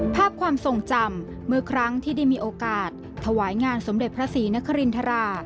ภาพความทรงจำเมื่อครั้งที่ได้มีโอกาสถวายงานสมเด็จพระศรีนครินทรา